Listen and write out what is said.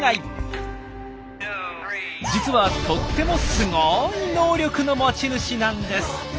実はとってもすごい能力の持ち主なんです。